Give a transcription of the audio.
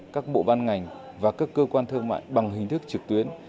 các bộ ban ngành và các cơ quan thương mại bằng hình thức trực tuyến